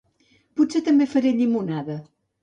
Potser també faré llimonada